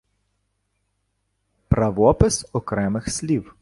Правопис окремих слів